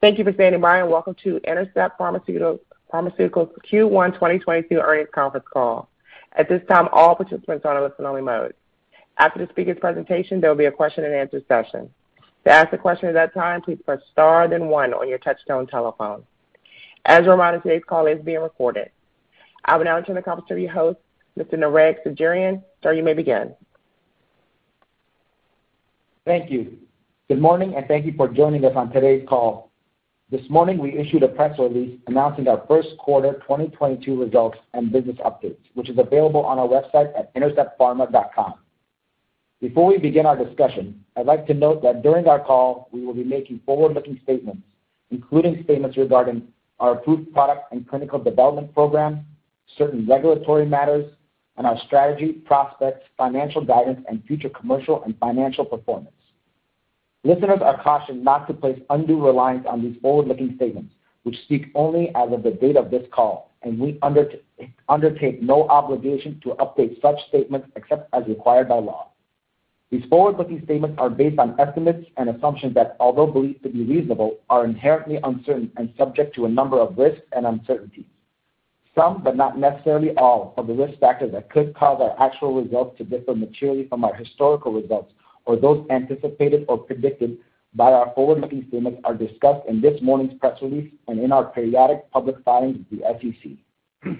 Thank you for standing by, and welcome to Intercept Pharmaceuticals' Q1 2022 earnings conference call. At this time, all participants are in a listen-only mode. After the speaker's presentation, there will be a question-and-answer session. To ask a question at that time, please press star then one on your touchtone telephone. As a reminder, today's call is being recorded. I will now turn the conference to your host, Mr. Nareg Sagherian. Sir, you may begin. Thank you. Good morning, and thank you for joining us on today's call. This morning, we issued a press release announcing our first quarter 2022 results and business updates, which is available on our website at interceptpharma.com. Before we begin our discussion, I'd like to note that during our call, we will be making forward-looking statements, including statements regarding our approved product and clinical development program, certain regulatory matters, and our strategy, prospects, financial guidance, and future commercial and financial performance. Listeners are cautioned not to place undue reliance on these forward-looking statements, which speak only as of the date of this call, and we undertake no obligation to update such statements except as required by law. These forward-looking statements are based on estimates and assumptions that, although believed to be reasonable, are inherently uncertain and subject to a number of risks and uncertainties. Some, but not necessarily all, of the risk factors that could cause our actual results to differ materially from our historical results or those anticipated or predicted by our forward-looking statements are discussed in this morning's press release and in our periodic public filings with the SEC.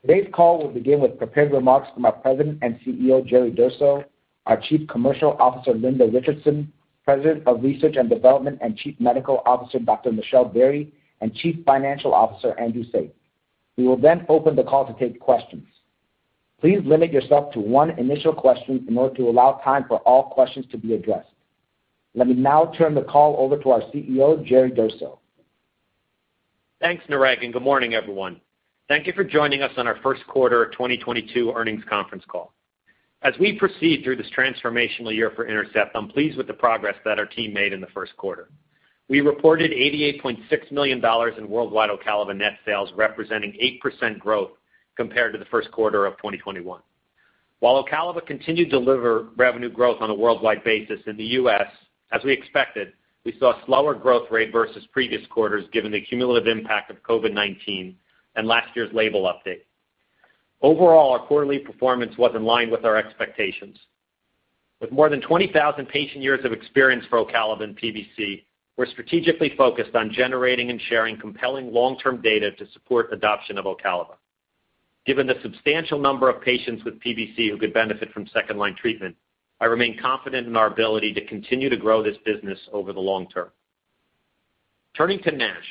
Today's call will begin with prepared remarks from our President and CEO, Jerry Durso, our Chief Commercial Officer, Linda Richardson, President of Research and Development and Chief Medical Officer, Dr. Michelle Berrey, and Chief Financial Officer, Andrew Saik. We will then open the call to take questions. Please limit yourself to one initial question in order to allow time for all questions to be addressed. Let me now turn the call over to our CEO, Jerry Durso. Thanks, Nareg, and good morning, everyone. Thank you for joining us on our first quarter of 2022 earnings conference call. As we proceed through this transformational year for Intercept, I'm pleased with the progress that our team made in the first quarter. We reported $88.6 million in worldwide Ocaliva net sales, representing 8% growth compared to the first quarter of 2021. While Ocaliva continued to deliver revenue growth on a worldwide basis in the U.S. as we expected, we saw a slower growth rate versus previous quarters given the cumulative impact of COVID-19 and last year's label update. Overall, our quarterly performance was in line with our expectations. With more than 20,000 patient years of experience for Ocaliva in PBC, we're strategically focused on generating and sharing compelling long-term data to support adoption of Ocaliva. Given the substantial number of patients with PBC who could benefit from second line treatment, I remain confident in our ability to continue to grow this business over the long term. Turning to NASH.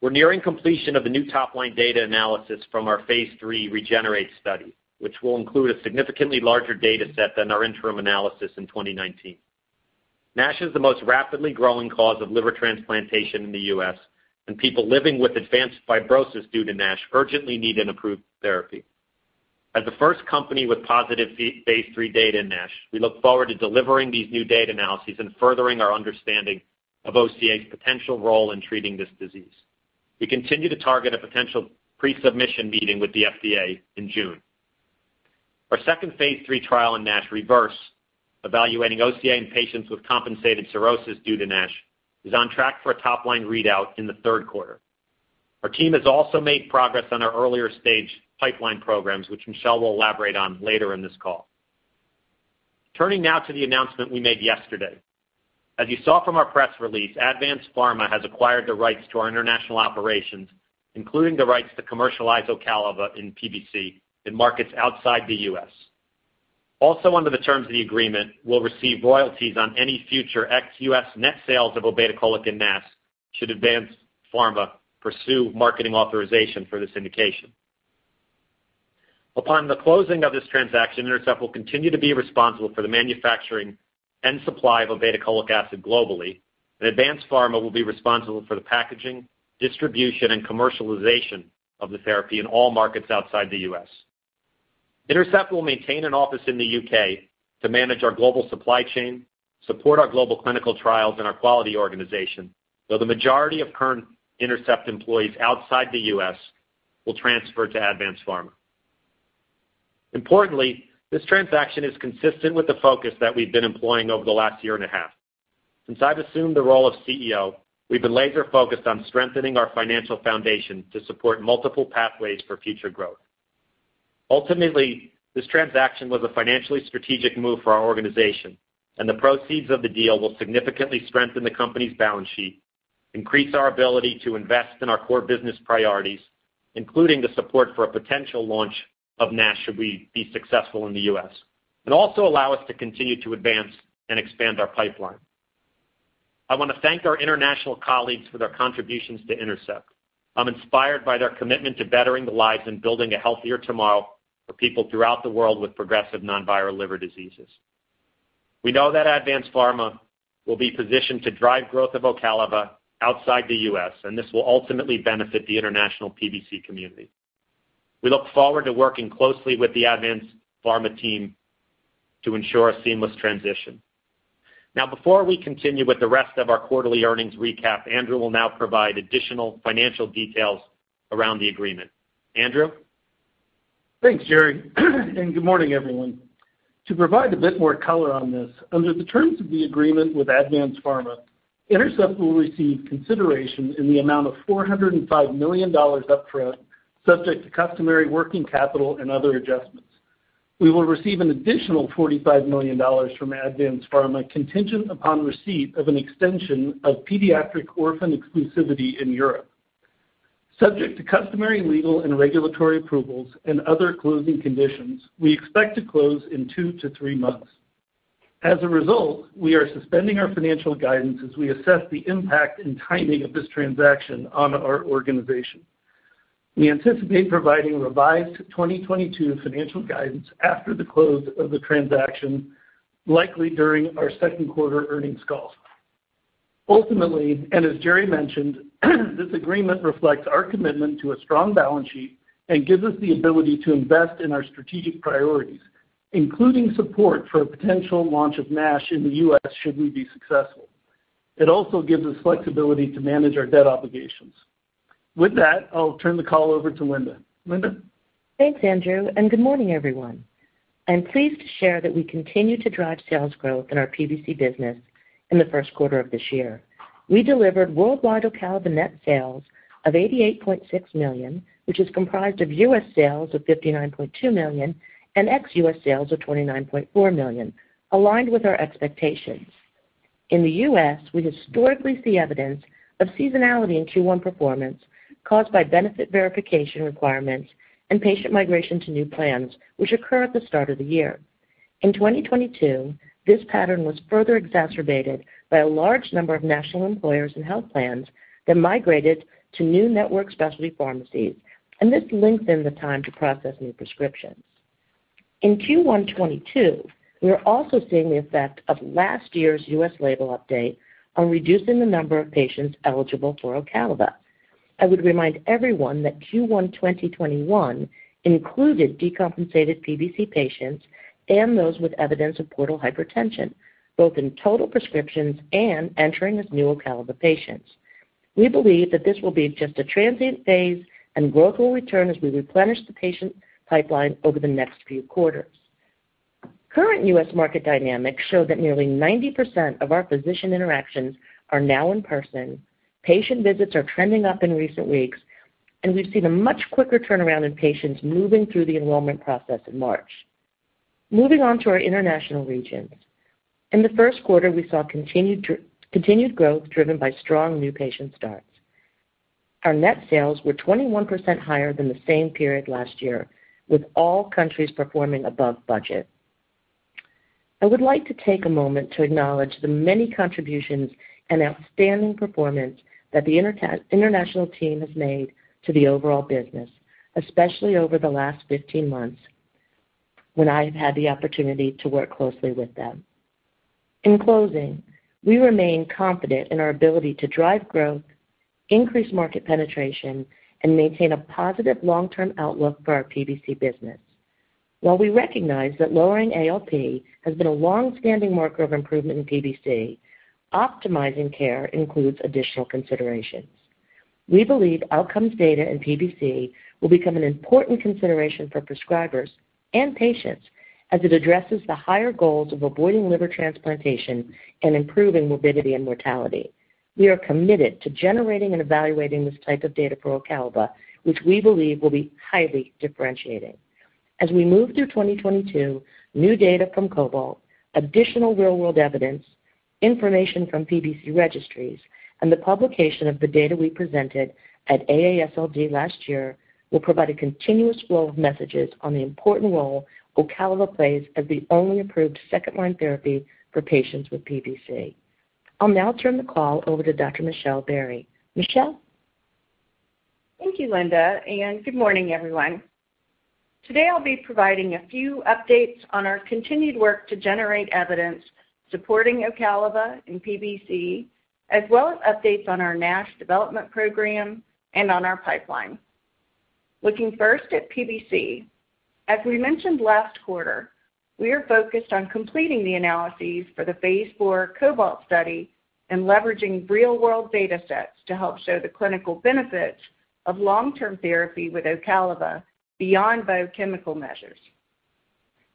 We're nearing completion of the new top-line data analysis from our phase III REGENERATE study, which will include a significantly larger data set than our interim analysis in 2019. NASH is the most rapidly growing cause of liver transplantation in the U.S. and people living with advanced fibrosis due to NASH urgently need an approved therapy. As the first company with positive phase III data in NASH, we look forward to delivering these new data analyses and furthering our understanding of OCA's potential role in treating this disease. We continue to target a potential pre-submission meeting with the FDA in June. Our second phase III trial in NASH, REVERSE, evaluating OCA in patients with compensated cirrhosis due to NASH, is on track for a top-line readout in the third quarter. Our team has also made progress on our earlier-stage pipeline programs, which Michelle will elaborate on later in this call. Turning now to the announcement we made yesterday. As you saw from our press release, ADVANZ PHARMA has acquired the rights to our international operations, including the rights to commercialize Ocaliva in PBC in markets outside the U.S. Also, under the terms of the agreement, we'll receive royalties on any future ex-U.S. net sales of obeticholic in NASH should ADVANZ PHARMA pursue marketing authorization for this indication. Upon the closing of this transaction, Intercept will continue to be responsible for the manufacturing and supply of obeticholic acid globally. ADVANZ PHARMA will be responsible for the packaging, distribution, and commercialization of the therapy in all markets outside the U.S. Intercept will maintain an office in the U.K. to manage our global supply chain, support our global clinical trials and our quality organization, though the majority of current Intercept employees outside the U.S. will transfer to ADVANZ PHARMA. Importantly, this transaction is consistent with the focus that we've been employing over the last year and a half. Since I've assumed the role of CEO, we've been laser-focused on strengthening our financial foundation to support multiple pathways for future growth. Ultimately, this transaction was a financially strategic move for our organization, and the proceeds of the deal will significantly strengthen the company's balance sheet, increase our ability to invest in our core business priorities, including the support for a potential launch of NASH should we be successful in the U.S. and also allow us to continue to advance and expand our pipeline. I want to thank our international colleagues for their contributions to Intercept. I'm inspired by their commitment to bettering the lives and building a healthier tomorrow for people throughout the world with progressive non-viral liver diseases. We know that ADVANZ PHARMA will be positioned to drive growth of Ocaliva outside the U.S. and this will ultimately benefit the international PBC community. We look forward to working closely with the ADVANZ PHARMA team to ensure a seamless transition. Now, before we continue with the rest of our quarterly earnings recap, Andrew will now provide additional financial details around the agreement. Andrew? Thanks, Jerry, and good morning, everyone. To provide a bit more color on this, under the terms of the agreement with ADVANZ PHARMA, Intercept will receive consideration in the amount of $405 million upfront, subject to customary working capital and other adjustments. We will receive an additional $45 million from ADVANZ PHARMA, contingent upon receipt of an extension of pediatric orphan exclusivity in Europe. Subject to customary legal and regulatory approvals and other closing conditions, we expect to close in two to three months. As a result, we are suspending our financial guidance as we assess the impact and timing of this transaction on our organization. We anticipate providing revised 2022 financial guidance after the close of the transaction, likely during our second quarter earnings call. Ultimately, and as Jerry mentioned, this agreement reflects our commitment to a strong balance sheet and gives us the ability to invest in our strategic priorities, including support for a potential launch of NASH in the U.S. should we be successful. It also gives us flexibility to manage our debt obligations. With that, I'll turn the call over to Linda. Linda? Thanks, Andrew, and good morning, everyone. I'm pleased to share that we continue to drive sales growth in our PBC business in the first quarter of this year. We delivered worldwide Ocaliva net sales of $88.6 million, which is comprised of U.S. sales of $59.2 million and ex-U.S. sales of $29.4 million, aligned with our expectations. In the U.S. we historically see evidence of seasonality in Q1 performance caused by benefit verification requirements and patient migration to new plans which occur at the start of the year. In 2022, this pattern was further exacerbated by a large number of national employers and health plans that migrated to new network specialty pharmacies, and this lengthened the time to process new prescriptions. In Q1 2022, we are also seeing the effect of last year's U.S. label update on reducing the number of patients eligible for Ocaliva. I would remind everyone that Q1 2021 included decompensated PBC patients and those with evidence of portal hypertension, both in total prescriptions and entering as new Ocaliva patients. We believe that this will be just a transient phase, and growth will return as we replenish the patient pipeline over the next few quarters. Current U.S. market dynamics show that nearly 90% of our physician interactions are now in person, patient visits are trending up in recent weeks, and we've seen a much quicker turnaround in patients moving through the enrollment process in March. Moving on to our international regions. In the first quarter, we saw continued growth driven by strong new patient starts. Our net sales were 21% higher than the same period last year, with all countries performing above budget. I would like to take a moment to acknowledge the many contributions and outstanding performance that the international team has made to the overall business, especially over the last 15 months when I have had the opportunity to work closely with them. In closing, we remain confident in our ability to drive growth, increase market penetration, and maintain a positive long-term outlook for our PBC business. While we recognize that lowering ALP has been a long-standing marker of improvement in PBC, optimizing care includes additional considerations. We believe outcomes data in PBC will become an important consideration for prescribers and patients as it addresses the higher goals of avoiding liver transplantation and improving morbidity and mortality. We are committed to generating and evaluating this type of data for Ocaliva, which we believe will be highly differentiating. As we move through 2022, new data from COBALT, additional real-world evidence, information from PBC registries, and the publication of the data we presented at AASLD last year will provide a continuous flow of messages on the important role Ocaliva plays as the only approved second line therapy for patients with PBC. I'll now turn the call over to Dr. Michelle Berrey. Michelle? Thank you, Linda, and good morning, everyone. Today, I'll be providing a few updates on our continued work to generate evidence supporting Ocaliva in PBC, as well as updates on our NASH development program and on our pipeline. Looking first at PBC, as we mentioned last quarter, we are focused on completing the analyses for the phase IV COBALT study and leveraging real-world data sets to help show the clinical benefits of long-term therapy with Ocaliva beyond biochemical measures.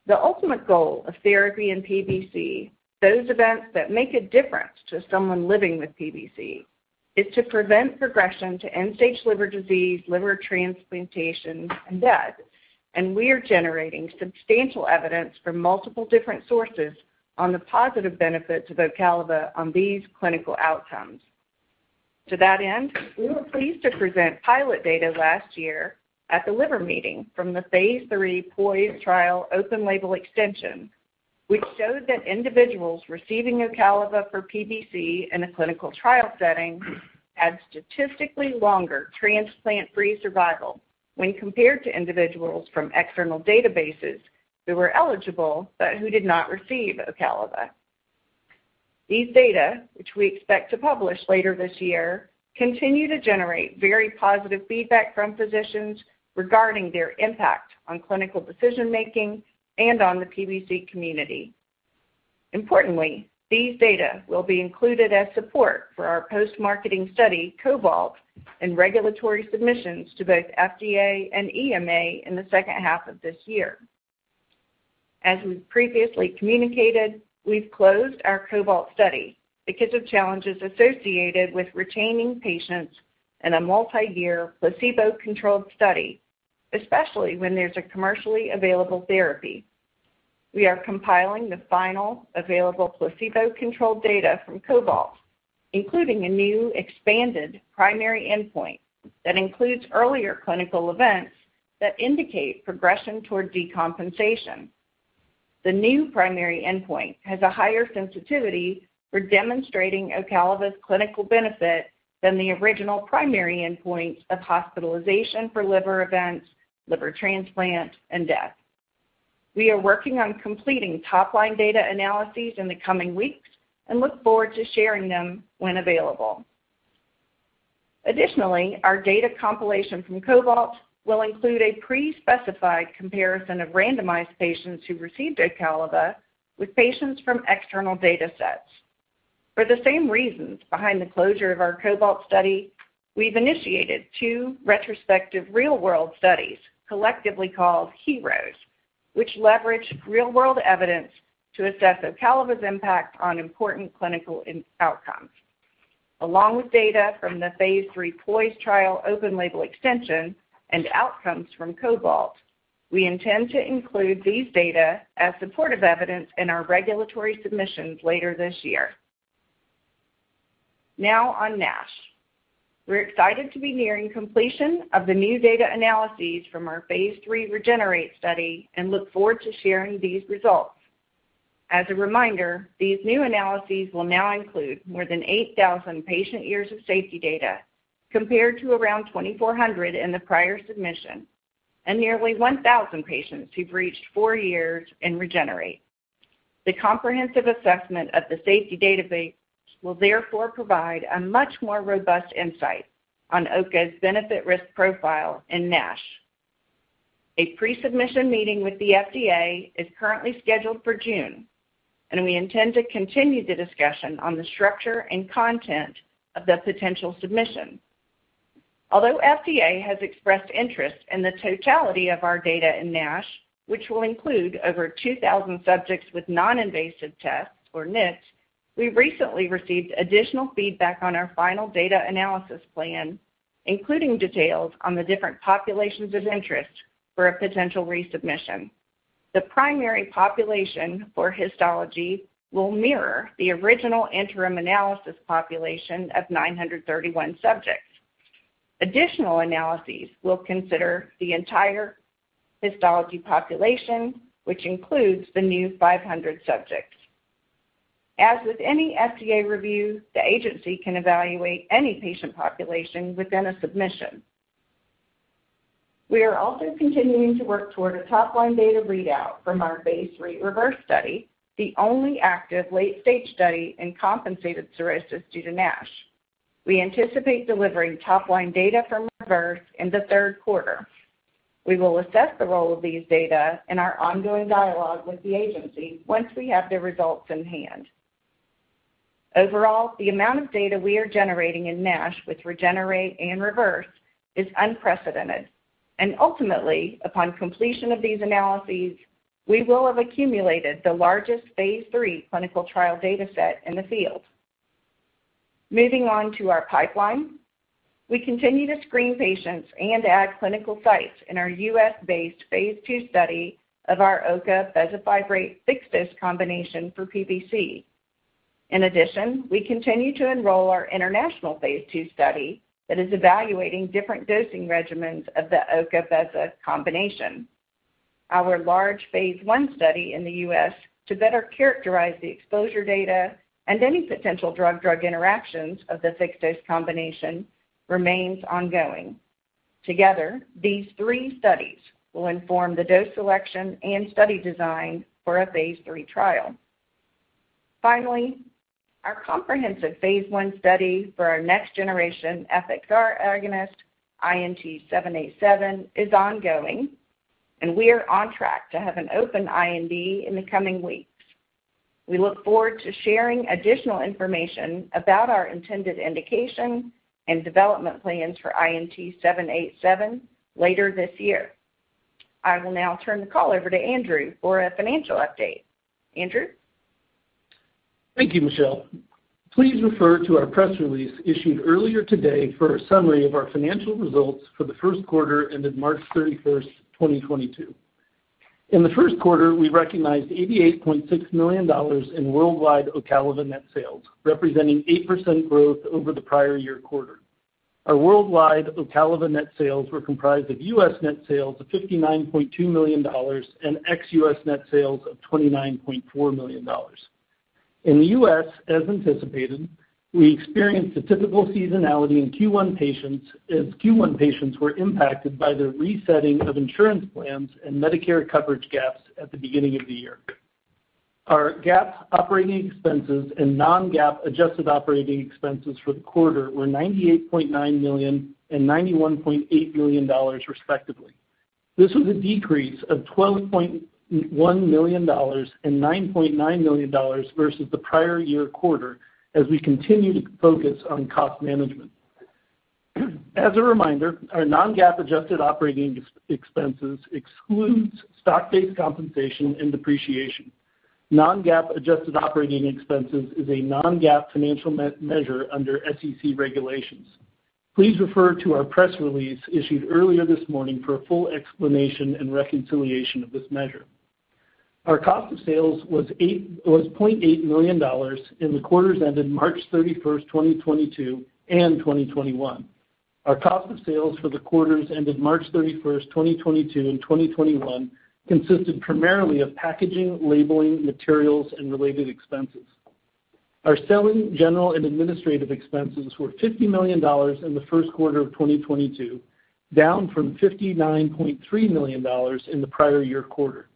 The ultimate goal of therapy in PBC, those events that make a difference to someone living with PBC, is to prevent progression to end-stage liver disease, liver transplantation, and death, and we are generating substantial evidence from multiple different sources on the positive benefits of Ocaliva on these clinical outcomes. To that end, we were pleased to present pilot data last year at the liver meeting from the phase III POISE trial open-label extension, which showed that individuals receiving Ocaliva for PBC in a clinical trial setting had statistically longer transplant-free survival when compared to individuals from external databases who were eligible, but who did not receive Ocaliva. These data, which we expect to publish later this year, continue to generate very positive feedback from physicians regarding their impact on clinical decision-making and on the PBC community. Importantly, these data will be included as support for our post-marketing study COBALT and regulatory submissions to both FDA and EMA in the second half of this year. As we've previously communicated, we've closed our COBALT study because of challenges associated with retaining patients in a multiyear placebo-controlled study, especially when there's a commercially available therapy. We are compiling the final available placebo-controlled data from COBALT, including a new expanded primary endpoint that includes earlier clinical events that indicate progression toward decompensation. The new primary endpoint has a higher sensitivity for demonstrating Ocaliva's clinical benefit than the original primary endpoint of hospitalization for liver events, liver transplant, and death. We are working on completing top-line data analyses in the coming weeks and look forward to sharing them when available. Additionally, our data compilation from COBALT will include a pre-specified comparison of randomized patients who received Ocaliva with patients from external data sets. For the same reasons behind the closure of our COBALT study, we've initiated two retrospective real-world studies collectively called HEROES, which leverage real-world evidence to assess Ocaliva's impact on important clinical outcomes. Along with data from the phase III POISE trial open-label extension and outcomes from COBALT, we intend to include these data as supportive evidence in our regulatory submissions later this year. Now on NASH. We're excited to be nearing completion of the new data analyses from our phase III REGENERATE study and look forward to sharing these results. As a reminder, these new analyses will now include more than 8,000 patient years of safety data compared to around 2,400 in the prior submission and nearly 1,000 patients who've reached four years in REGENERATE. The comprehensive assessment of the safety database will therefore provide a much more robust insight on OCA's benefit risk profile in NASH. A pre-submission meeting with the FDA is currently scheduled for June, and we intend to continue the discussion on the structure and content of the potential submission. Although FDA has expressed interest in the totality of our data in NASH, which will include over 2,000 subjects with Non-Invasive Tests or NITs, we recently received additional feedback on our final data analysis plan, including details on the different populations of interest for a potential resubmission. The primary population for histology will mirror the original interim analysis population of 931 subjects. Additional analyses will consider the entire histology population, which includes the new 500 subjects. As with any FDA review, the agency can evaluate any patient population within a submission. We are also continuing to work toward a top-line data readout from our phase III REVERSE study, the only active late-stage study in compensated cirrhosis due to NASH. We anticipate delivering top-line data from REVERSE in the third quarter. We will assess the role of these data in our ongoing dialogue with the agency once we have the results in hand. Overall, the amount of data we are generating in NASH with REGENERATE and REVERSE is unprecedented, and ultimately, upon completion of these analyses, we will have accumulated the largest phase II clinical trial data set in the field. Moving on to our pipeline. We continue to screen patients and add clinical sites in our U.S.-based phase II study of our OCA bezafibrate fixed-dose combination for PBC. In addition, we continue to enroll our international phase II study that is evaluating different dosing regimens of the OCA beza combination. Our large phase I study in the U.S. to better characterize the exposure data and any potential drug-drug interactions of the fixed-dose combination remains ongoing. Together, these three studies will inform the dose selection and study design for a phase III trial. Finally, our comprehensive phase I study for our next generation FXR agonist, INT-787, is ongoing, and we are on track to have an open IND in the coming weeks. We look forward to sharing additional information about our intended indication and development plans for INT-787 later this year. I will now turn the call over to Andrew for a financial update. Andrew? Thank you, Michelle. Please refer to our press release issued earlier today for a summary of our financial results for the first quarter ended March 31, 2022. In the first quarter, we recognized $88.6 million in worldwide Ocaliva net sales, representing 8% growth over the prior year quarter. Our worldwide Ocaliva net sales were comprised of U.S. net sales of $59.2 million and ex-U.S. net sales of $29.4 million. In the U.S., as anticipated, we experienced a typical seasonality in Q1 patients as Q1 patients were impacted by the resetting of insurance plans and Medicare coverage gaps at the beginning of the year. Our GAAP operating expenses and non-GAAP adjusted operating expenses for the quarter were $98.9 million and $91.8 million, respectively. This was a decrease of $12.1 million and $9.9 million versus the prior year quarter as we continue to focus on cost management. As a reminder, our non-GAAP adjusted operating expenses excludes stock-based compensation and depreciation. Non-GAAP adjusted operating expenses is a non-GAAP financial measure under SEC regulations. Please refer to our press release issued earlier this morning for a full explanation and reconciliation of this measure. Our cost of sales was $0.8 million in the quarters ended March 31, 2022 and 2021. Our cost of sales for the quarters ended March 31, 2022 and 2021 consisted primarily of packaging, labeling, materials, and related expenses. Our selling, general and administrative expenses were $50 million in the first quarter of 2022, down from $59.3 million in the prior year quarter.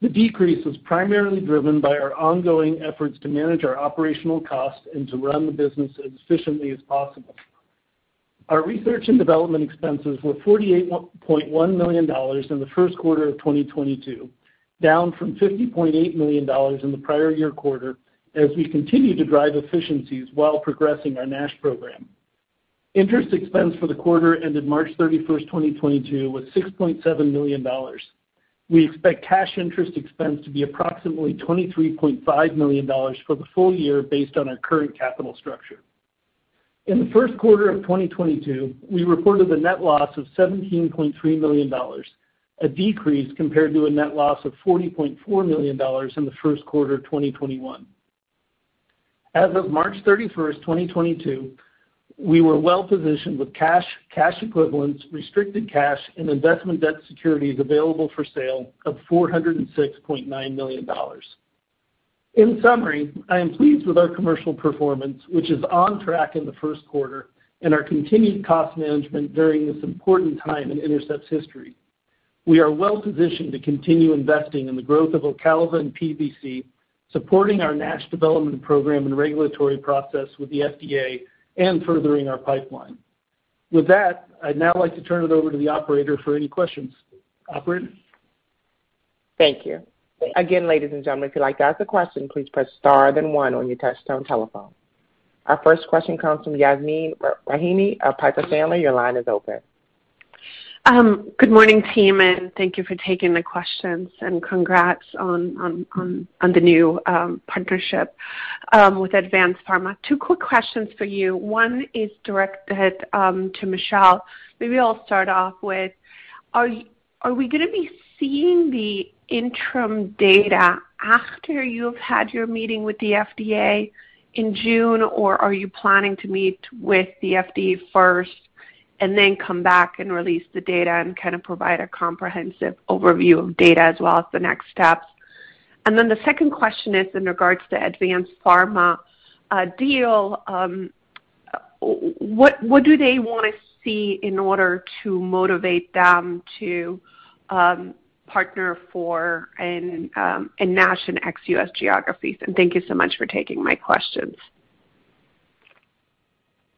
The decrease was primarily driven by our ongoing efforts to manage our operational costs and to run the business as efficiently as possible. Our research and development expenses were $48.1 million in the first quarter of 2022, down from $50.8 million in the prior year quarter as we continue to drive efficiencies while progressing our NASH program. Interest expense for the quarter ended March 31, 2022 was $6.7 million. We expect cash interest expense to be approximately $23.5 million for the full year based on our current capital structure. In the first quarter of 2022, we reported a net loss of $17.3 million, a decrease compared to a net loss of $40.4 million in the first quarter of 2021. As of March 31, 2022, we were well positioned with cash equivalents, restricted cash and investment debt securities available for sale of $406.9 million. In summary, I am pleased with our commercial performance, which is on track in the first quarter and our continued cost management during this important time in Intercept's history. We are well positioned to continue investing in the growth of Ocaliva and PBC, supporting our NASH development program and regulatory process with the FDA and furthering our pipeline. With that, I'd now like to turn it over to the operator for any questions. Operator? Thank you. Again, ladies and gentlemen, if you'd like to ask a question, please press star then one on your touchtone telephone. Our first question comes from Yasmeen Rahimi of Piper Sandler. Your line is open. Good morning, team, and thank you for taking the questions. Congrats on the new partnership with ADVANZ PHARMA. Two quick questions for you. One is directed to Michelle. Maybe I'll start off with are we gonna be seeing the interim data after you've had your meeting with the FDA in June, or are you planning to meet with the FDA first and then come back and release the data and kind of provide a comprehensive overview of data as well as the next steps. The second question is in regards to ADVANZ PHARMA deal. What do they wanna see in order to motivate them to partner for and in NASH and ex-U.S. geographies. Thank you so much for taking my questions.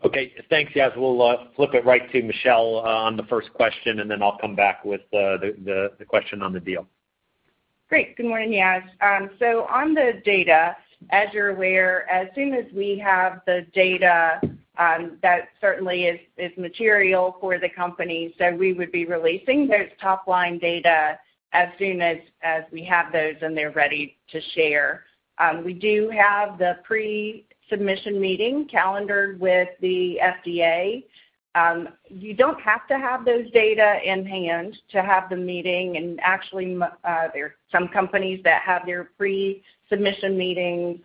Okay. Thanks, Yas. We'll flip it right to Michelle on the first question, and then I'll come back with the question on the deal. Great. Good morning, Yas. On the data, as you're aware, as soon as we have the data, that certainly is material for the company. We would be releasing those top-line data as soon as we have those and they're ready to share. We do have the pre-submission meeting calendared with the FDA. You don't have to have those data in hand to have the meeting. Actually, there are some companies that have their pre-submission meetings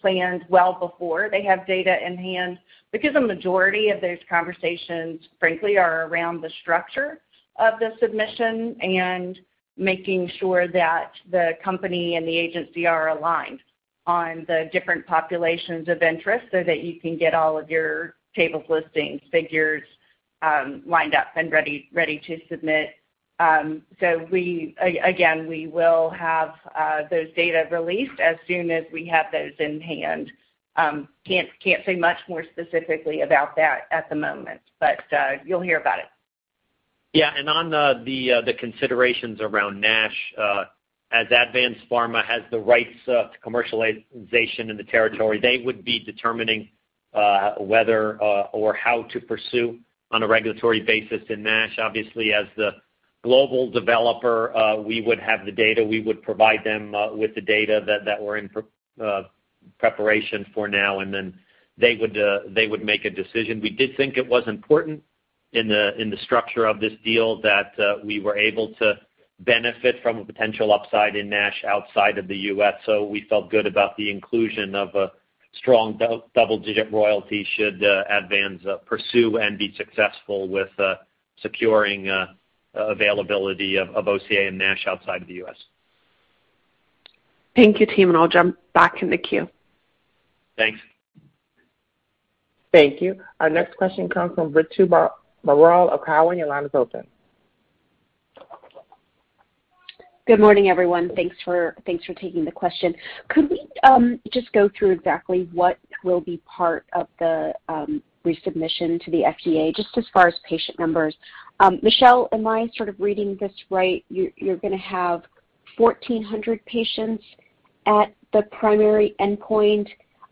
planned well before they have data in hand because the majority of those conversations, frankly, are around the structure of the submission and making sure that the company and the agency are aligned on the different populations of interest so that you can get all of your tables, listings, figures, lined up and ready to submit. We will have those data released as soon as we have those in hand. Can't say much more specifically about that at the moment, but you'll hear about it. Yeah. On the considerations around NASH, as ADVANZ PHARMA has the rights to commercialization in the territory, they would be determining whether or how to pursue on a regulatory basis in NASH. Obviously, as the global developer, we would have the data. We would provide them with the data that we're in preparation for now, and then they would make a decision. We did think it was important in the structure of this deal that we were able to benefit from a potential upside in NASH outside of the U.S., so we felt good about the inclusion of a strong double-digit royalty should ADVANZ PHARMA pursue and be successful with securing availability of OCA in NASH outside of the U.S. Thank you, team, and I'll jump back in the queue. Thanks. Thank you. Our next question comes from Ritu Baral of Cowen. Your line is open. Good morning, everyone. Thanks for taking the question. Could we just go through exactly what will be part of the resubmission to the FDA just as far as patient numbers? Michelle, am I sort of reading this right? You're gonna have 1,400 patients at the primary endpoint.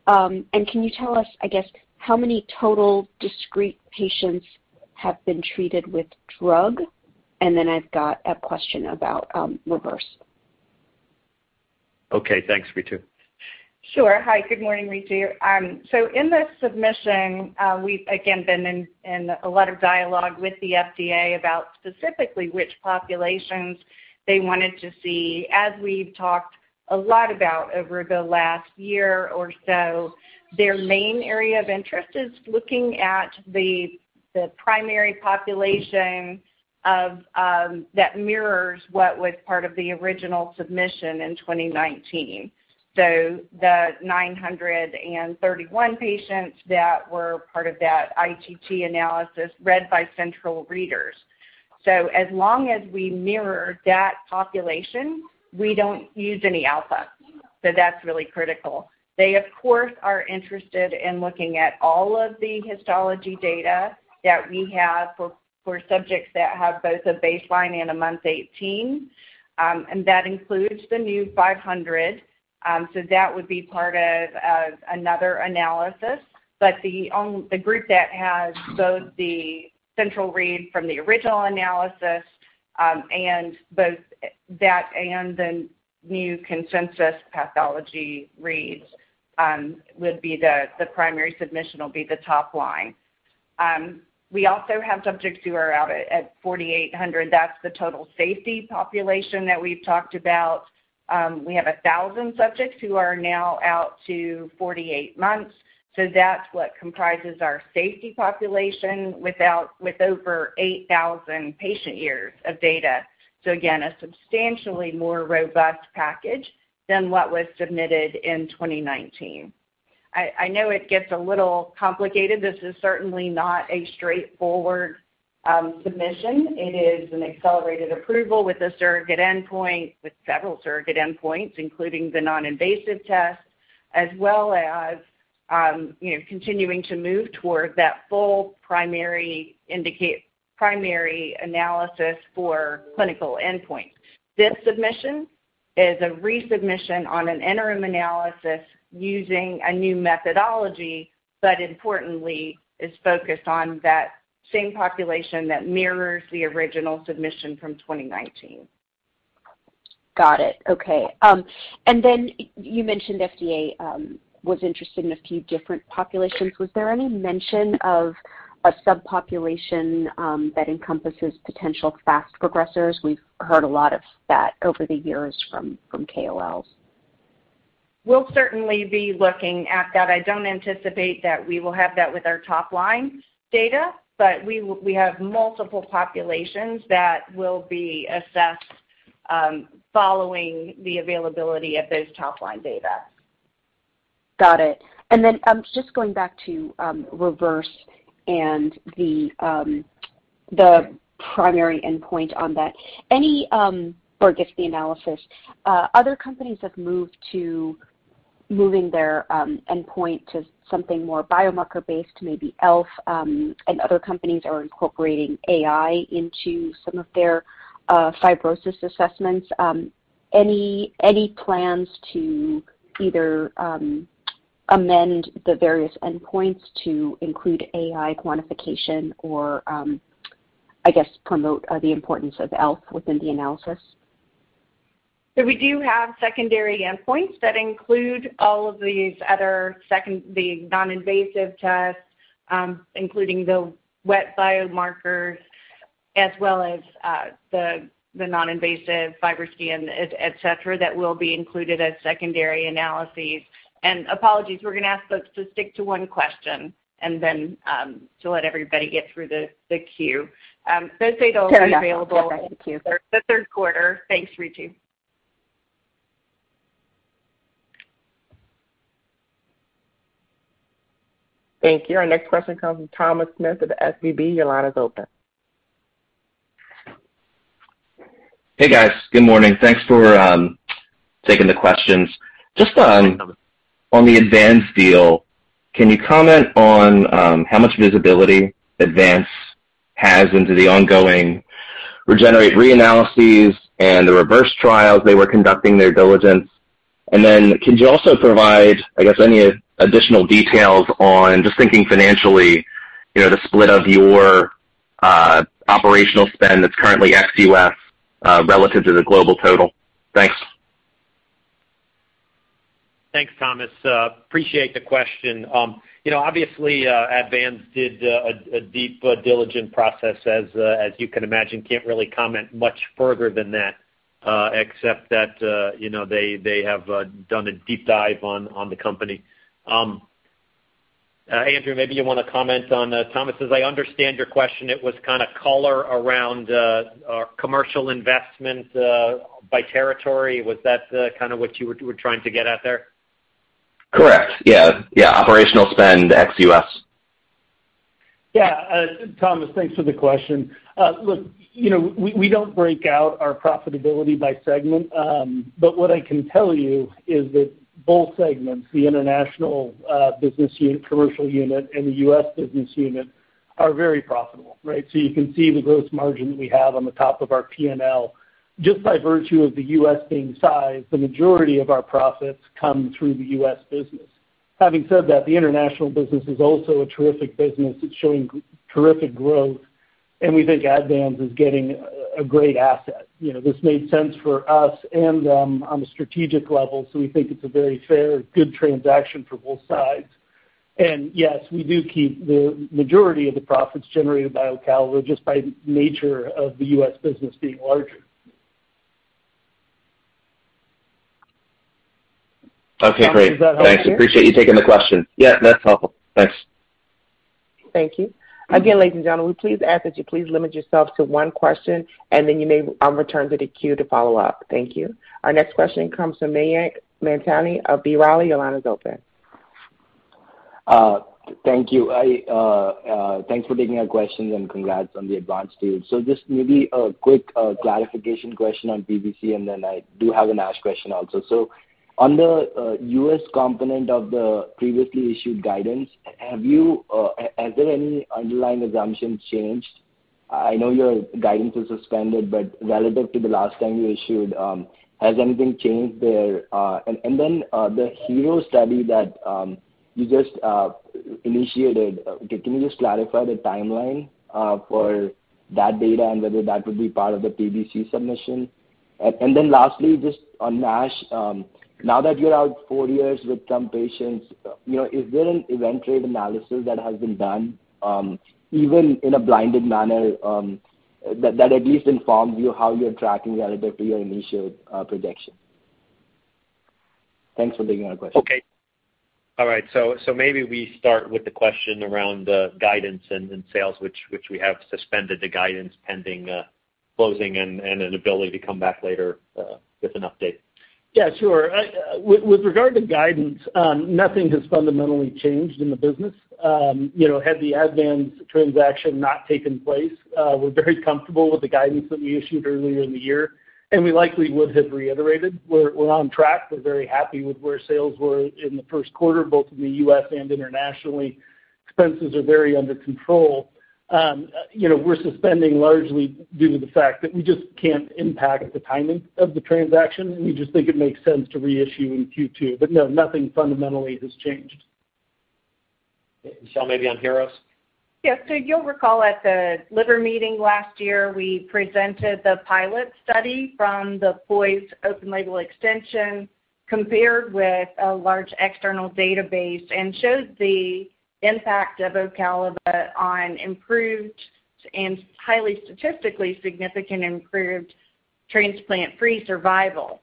Can you tell us, I guess, how many total discrete patients have been treated with drug? Then I've got a question about REVERSE. Okay. Thanks, Ritu. Sure. Hi. Good morning, Ritu. In the submission, we've again been in a lot of dialogue with the FDA about specifically which populations they wanted to see. As we've talked a lot about over the last year or so, their main area of interest is looking at the primary population that mirrors what was part of the original submission in 2019. The 931 patients that were part of that ITT analysis read by central readers. As long as we mirror that population, we don't use any alpha. That's really critical. They, of course, are interested in looking at all of the histology data that we have for subjects that have both a baseline and a month 18, and that includes the new 500. That would be part of another analysis. The group that has both the central read from the original analysis and both that and the new consensus pathology reads would be the primary submission will be the top line. We also have subjects who are out at 4,800. That's the total safety population that we've talked about. We have 1,000 subjects who are now out to 48 months. That's what comprises our safety population with over 8,000 patient years of data. Again, a substantially more robust package than what was submitted in 2019. I know it gets a little complicated. This is certainly not a straightforward submission. It is an accelerated approval with a surrogate endpoint, with several surrogate endpoints, including the non-invasive test, as well as, continuing to move toward that full primary analysis for clinical endpoint. This submission is a resubmission on an interim analysis using a new methodology, but importantly, is focused on that same population that mirrors the original submission from 2019. Got it. Okay. You mentioned FDA was interested in a few different populations. Was there any mention of a subpopulation that encompasses potential fast progressors? We've heard a lot of that over the years from KOLs. We'll certainly be looking at that. I don't anticipate that we will have that with our top-line data, but we have multiple populations that will be assessed, following the availability of those top-line data. Got it. Just going back to REVERSE and the primary endpoint on that. I guess the analysis, other companies have moved to moving their endpoint to something more biomarker based, maybe ELF, and other companies are incorporating AI into some of their fibrosis assessments. Any plans to either amend the various endpoints to include AI quantification or, I guess promote the importance of ELF within the analysis? We do have secondary endpoints that include all of these other non-invasive tests, including the wet biomarkers as well as the non-invasive FibroScan, et cetera, that will be included as secondary analyses. Apologies, we're gonna ask folks to stick to one question and then to let everybody get through the queue. Those data. Fair enough. Will be available. Okay. Thank you The third quarter. Thanks, Ritu. Thank you. Our next question comes from Thomas Smith of SVB. Your line is open. Hey, guys. Good morning. Thanks for taking the questions. Just on the ADVANZ deal, can you comment on how much visibility ADVANZ has into the ongoing REGENERATE re-analysis and the REVERSE trials they were conducting their diligence? And then could you also provide, I guess, any additional details on just thinking financially, you know, the split of your operational spend that's currently ex-U.S. relative to the global total? Thanks. Thanks, Thomas. Appreciate the question. You know, obviously, ADVANZ PHARMA did a deep diligent process as you can imagine. Can't really comment much further than that, except that, you know, they have done a deep dive on the company. Andrew, maybe you wanna comment on... Thomas, as I understand your question, it was kinda color around our commercial investment by territory. Was that kinda what you were trying to get at there? Correct. Yeah. Yeah, operational spend ex-U.S. Yeah, Thomas, thanks for the question. Look, you know, we don't break out our profitability by segment. But what I can tell you is that both segments, the international business unit, commercial unit and the U.S. business unit are very profitable, right? You can see the gross margin we have on the top of our P&L. Just by virtue of the U.S. being sized, the majority of our profits come through the U.S. business. Having said that, the international business is also a terrific business. It's showing terrific growth, and we think ADVANZ PHARMA is getting a great asset. You know, this made sense for us and them on a strategic level, so we think it's a very fair, good transaction for both sides. Yes, we do keep the majority of the profits generated by Ocaliva just by nature of the U.S. business being larger. Okay, great. Does that help? Thanks. I appreciate you taking the question. Yeah, that's helpful. Thanks. Thank you. Again, ladies and gentlemen, we please ask that you please limit yourself to one question and then you may return to the queue to follow up. Thank you. Our next question comes from Mayank Mamtani of B. Riley. Your line is open. Thanks for taking our questions, and congrats on the ADVANZ deal. Just maybe a quick clarification question on PBC, and then I do have a NASH question also. On the U.S. component of the previously issued guidance, has there any underlying assumptions changed? I know your guidance is suspended, but relative to the last time you issued, has anything changed there? The HEROES study that you just initiated, can you just clarify the timeline for that data and whether that would be part of the PBC submission? Lastly, just on NASH, now that you're out four years with some patients, you know, is there an event rate analysis that has been done, even in a blinded manner, that at least informs you how you're tracking relative to your initial projection? Thanks for taking our question. Okay. All right. Maybe we start with the question around the guidance and sales, which we have suspended the guidance pending closing and an ability to come back later with an update. Yeah, sure. With regard to guidance, nothing has fundamentally changed in the business. You know, had the ADVANZ transaction not taken place, we're very comfortable with the guidance that we issued earlier in the year, and we likely would have reiterated. We're on track. We're very happy with where sales were in the first quarter, both in the U.S. and internationally. Expenses are very under control. You know, we're suspending largely due to the fact that we just can't impact the timing of the transaction. We just think it makes sense to reissue in Q2. No, nothing fundamentally has changed. Michelle, maybe on HEROES. You'll recall at the liver meeting last year, we presented the pilot study from the POISE open-label extension compared with a large external database and showed the impact of Ocaliva on improved and highly statistically significant improved transplant-free survival.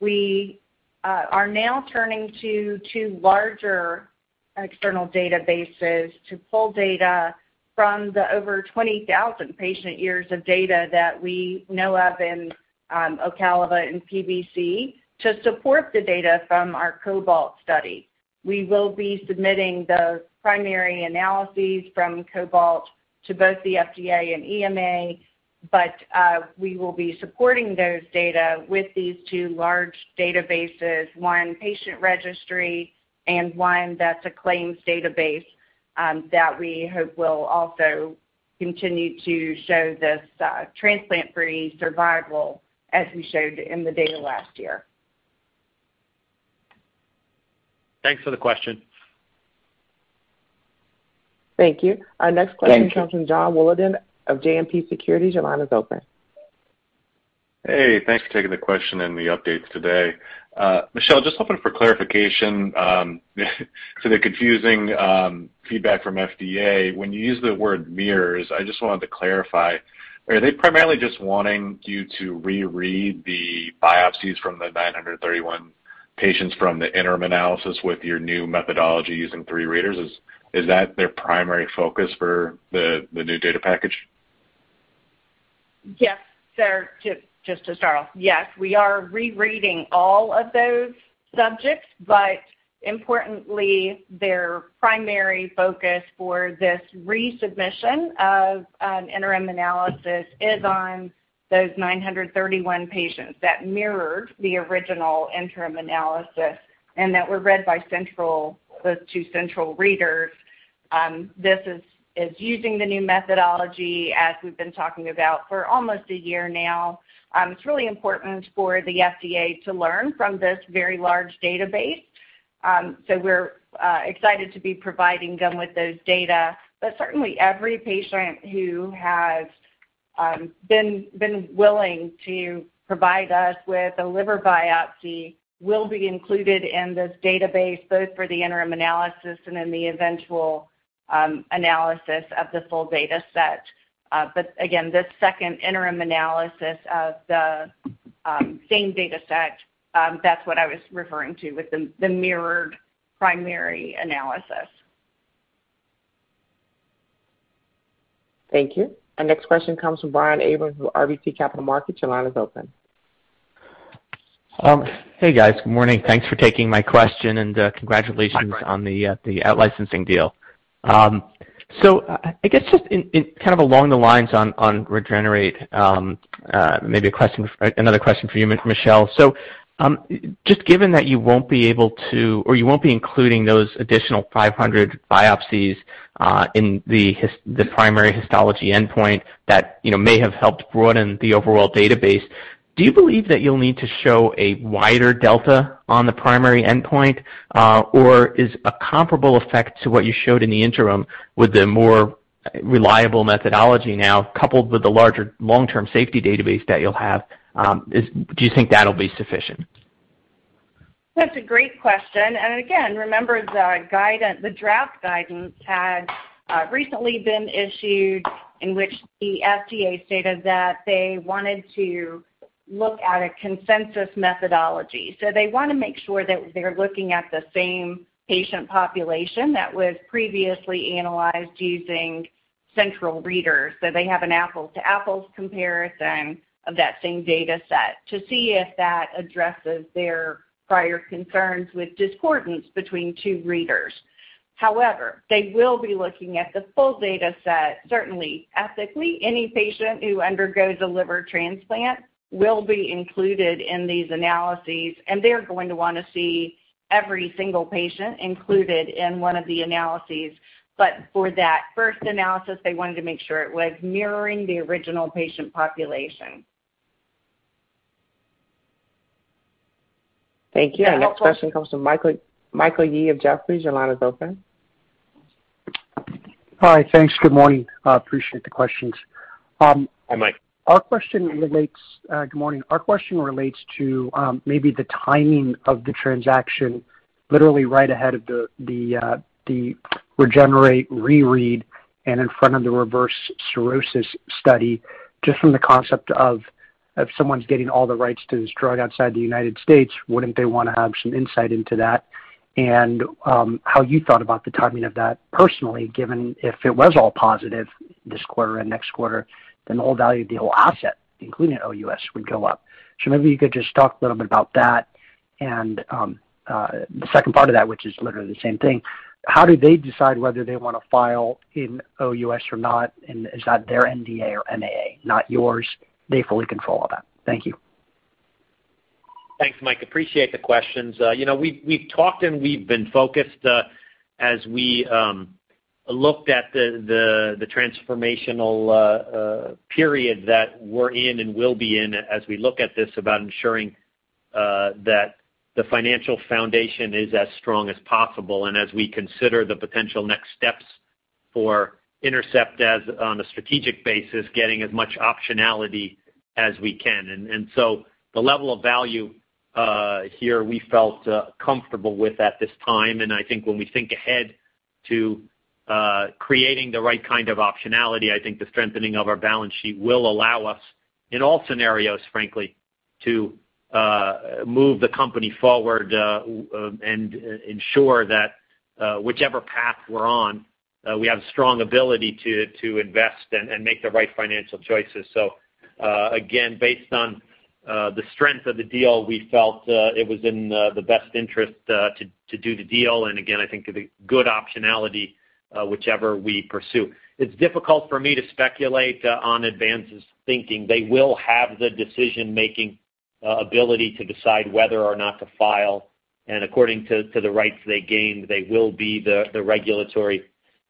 We are now turning to two larger external databases to pull data from the over 20,000 patient years of data that we know of in Ocaliva and PBC to support the data from our COBALT study. We will be submitting those primary analyses from COBALT to both the FDA and EMA, but we will be supporting those data with these two large databases, one patient registry and one that's a claims database that we hope will also continue to show this transplant-free survival as we showed in the data last year. Thanks for the question. Thank you. Thank you. Our next question comes from Jon Wolleben of JMP Securities. Your line is open. Hey, thanks for taking the question and the updates today. Michelle, just hoping for clarification to the confusing feedback from FDA. When you use the word mirrors, I just wanted to clarify. Are they primarily just wanting you to reread the biopsies from the 931 patients from the interim analysis with your new methodology using three readers? Is that their primary focus for the new data package? Yes, sir. Just to start off. Yes, we are rereading all of those subjects, but importantly, their primary focus for this resubmission of an interim analysis is on those 931 patients that mirrored the original interim analysis and that were read by those two central readers. This is using the new methodology as we've been talking about for almost a year now. It's really important for the FDA to learn from this very large database. We're excited to be providing them with those data. Certainly every patient who has been willing to provide us with a liver biopsy will be included in this database, both for the interim analysis and in the eventual analysis of the full data set. Again, this second interim analysis of the same data set, that's what I was referring to with the mirrored primary analysis. Thank you. Our next question comes from Brian Abrahams with RBC Capital Markets. Your line is open. Hey guys, good morning. Thanks for taking my question, and, congratulations. My pleasure. On the out-licensing deal. I guess just in kind of along the lines on REGENERATE, maybe another question for you, Michelle. Just given that you won't be able to, or you won't be including those additional 500 biopsies in the primary histology endpoint that you know may have helped broaden the overall database, do you believe that you'll need to show a wider delta on the primary endpoint, or is a comparable effect to what you showed in the interim with the more reliable methodology now, coupled with the larger long-term safety database that you'll have, do you think that'll be sufficient? That's a great question. Again, remember the guidance, the draft guidance had recently been issued in which the FDA stated that they wanted to look at a consensus methodology. They wanna make sure that they're looking at the same patient population that was previously analyzed using central readers, so they have an apples to apples comparison of that same data set to see if that addresses their prior concerns with discordance between two readers. However, they will be looking at the full data set, certainly. Ethically, any patient who undergoes a liver transplant will be included in these analyses, and they're going to wanna see every single patient included in one of the analyses. For that first analysis, they wanted to make sure it was mirroring the original patient population. Thank you. Yeah. Our next question comes from Michael Yee of Jefferies. Your line is open. Hi. Thanks. Good morning. Appreciate the questions. Hi, Mike. Good morning. Our question relates to maybe the timing of the transaction literally right ahead of the REGENERATE re-read and in front of the REVERSE cirrhosis study, just from the concept of, if someone's getting all the rights to this drug outside the United States, wouldn't they wanna have some insight into that? The second part of that, which is literally the same thing, how do they decide whether they wanna file in OUS or not? Is that their NDA or MAA, not yours? They fully control all that. Thank you. Thanks, Mike. Appreciate the questions. You know, we've talked and we've been focused as we looked at the transformational period that we're in and will be in as we look at this about ensuring that the financial foundation is as strong as possible and as we consider the potential next steps for Intercept as on a strategic basis, getting as much optionality as we can. The level of value here we felt comfortable with at this time. I think when we think ahead to creating the right kind of optionality, I think the strengthening of our balance sheet will allow us, in all scenarios, frankly, to move the company forward, and ensure that whichever path we're on, we have strong ability to invest and make the right financial choices. Again, based on the strength of the deal, we felt it was in the best interest to do the deal. Again, I think a good optionality, whichever we pursue. It's difficult for me to speculate on ADVANZ PHARMA's thinking. They will have the decision-making ability to decide whether or not to file.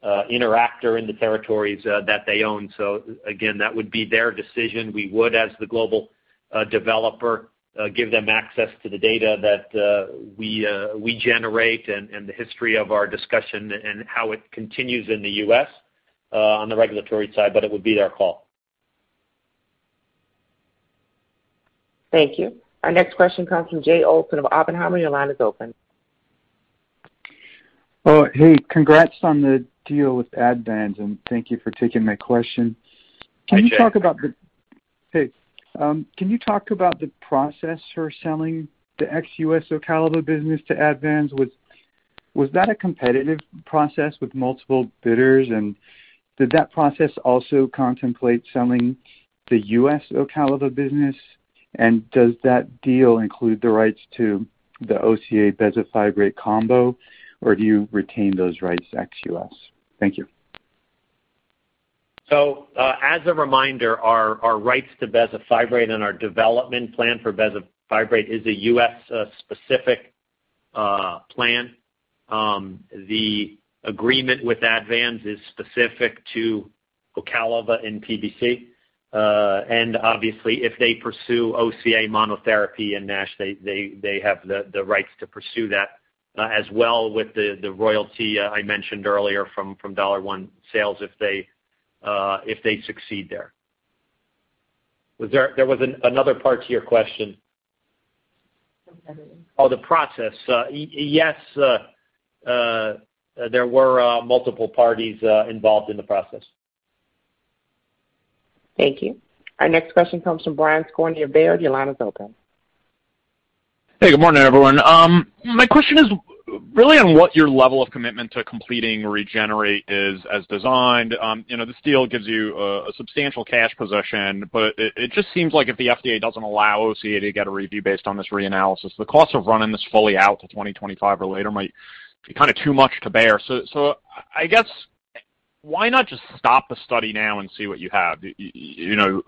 According to the rights they gained, they will be the regulatory actor in the territories that they own. Again, that would be their decision. We would, as the global developer, give them access to the data that we generate and the history of our discussion and how it continues in the U.S. on the regulatory side, but it would be their call. Thank you. Our next question comes from Jay Olson of Oppenheimer. Your line is open. Oh, hey, congrats on the deal with ADVANZ PHARMA, and thank you for taking my question. Hi, Jay. Can you talk about the process for selling the ex-U.S. Ocaliva business to ADVANZ PHARMA? Was that a competitive process with multiple bidders? Did that process also contemplate selling the U.S. Ocaliva business? Does that deal include the rights to the OCA/bezafibrate combo, or do you retain those rights ex-U.S.? Thank you. As a reminder, our rights to bezafibrate and our development plan for bezafibrate is a U.S. specific plan. The agreement with ADVANZ is specific to Ocaliva and PBC. Obviously, if they pursue OCA monotherapy in NASH, they have the rights to pursue that as well with the royalty I mentioned earlier from dollar one sales if they succeed there. There was another part to your question. On the process. Oh, the process. Yes, there were multiple parties involved in the process. Thank you. Our next question comes from Brian Skorney of Baird. Your line is open. Hey, good morning, everyone. My question is really on what your level of commitment to completing REGENERATE is as designed. You know, this deal gives you a substantial cash position, but it just seems like if the FDA doesn't allow OCA to get a review based on this reanalysis, the cost of running this fully out to 2025 or later might be kind of too much to bear. So I guess why not just stop the study now and see what you have. You know,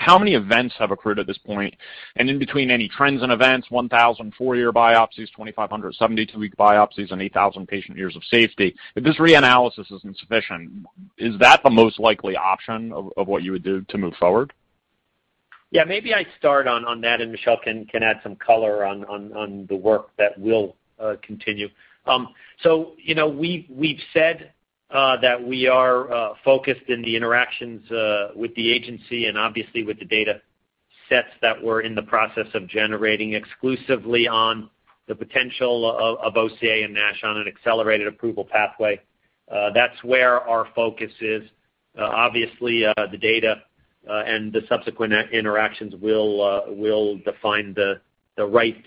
how many events have occurred at this point? In between any trends and events, 1,000 four-year biopsies, 2,570 two-week biopsies, and 8,000 patient years of safety. If this reanalysis isn't sufficient, is that the most likely option of what you would do to move forward? Yeah, maybe I start on that, and Michelle can add some color on the work that will continue. You know, we've said that we are focused in the interactions with the agency and obviously with the data sets that we're in the process of generating exclusively on the potential of OCA and NASH on an accelerated approval pathway. That's where our focus is. Obviously, the data and the subsequent interactions will define the right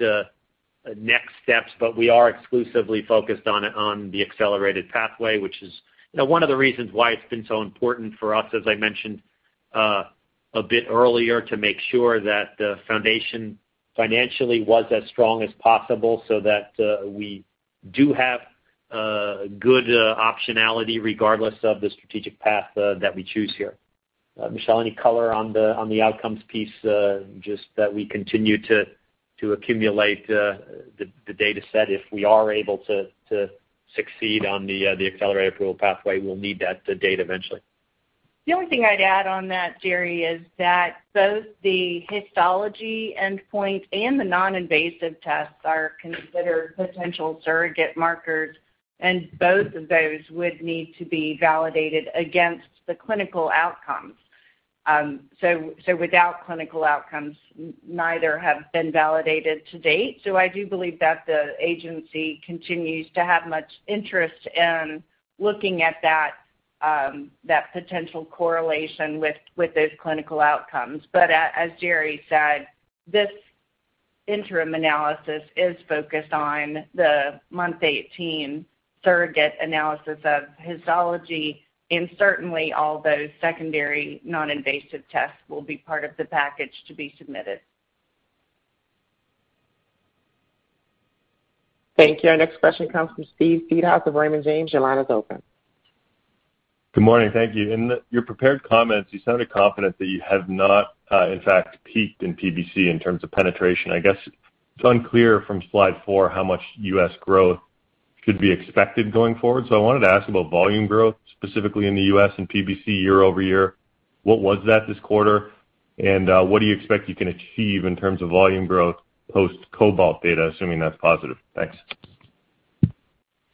next steps. We are exclusively focused on the accelerated pathway, which is, you know, one of the reasons why it's been so important for us, as I mentioned a bit earlier, to make sure that the foundation financially was as strong as possible so that we do have a good optionality regardless of the strategic path that we choose here. Michelle, any color on the outcomes piece, just that we continue to accumulate the data set if we are able to succeed on the accelerated approval pathway, we'll need that data eventually. The only thing I'd add on that, Jerry, is that both the histology endpoint and the noninvasive tests are considered potential surrogate markers, and both of those would need to be validated against the clinical outcomes. Without clinical outcomes, neither have been validated to date. I do believe that the agency continues to have much interest in looking at that potential correlation with those clinical outcomes. As Jerry said, this interim analysis is focused on the month 18 surrogate analysis of histology, and certainly all those secondary noninvasive tests will be part of the package to be submitted. Thank you. Our next question comes from Steve Seedhouse of Raymond James. Your line is open. Good morning. Thank you. In your prepared comments, you sounded confident that you have not, in fact, peaked in PBC in terms of penetration. I guess it's unclear from slide four how much U.S. growth should be expected going forward. I wanted to ask about volume growth, specifically in the U.S. and PBC year-over-year. What was that this quarter? And, what do you expect you can achieve in terms of volume growth post COBALT data, assuming that's positive? Thanks.